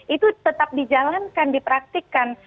itu tetap dijalankan dipraktikan